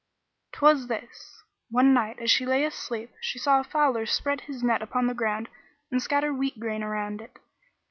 "'Twas this: one night, as she lay asleep, she saw a fowler spread his net upon the ground and scatter wheat grain round it.